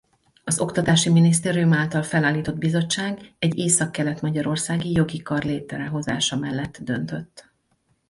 Az Oktatási Minisztérium által felállított bizottság egy északkelet-magyarországi jogi kar létrehozása mellett döntött.